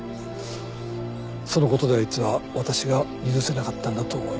そのことであいつは私が許せなかったんだと思います。